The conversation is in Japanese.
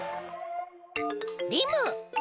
リム。